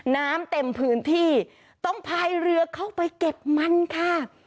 น้ำเต็มพื้นที่ต้องพายเรือเข้าไปเก็บมันค่ะ